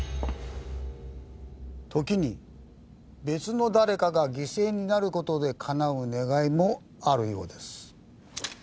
時に別の誰かが犠牲になることでかなう願いもあるようです。